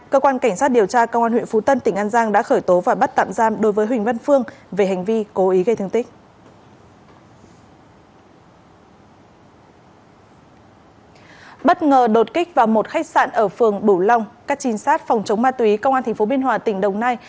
các trinh sát phòng chống ma túy công an tp binh hòa tỉnh đồng nai